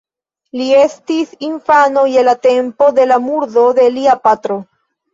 Li estis infano je la tempo de la murdo de lia patro.